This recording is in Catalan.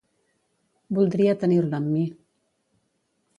Voldria tenir-la amb mi.